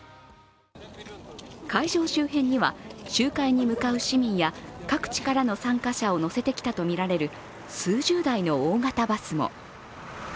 会場周辺には集会に向かう市民や各地からの参加者を乗せてきたとみられる数十台の大型バスも。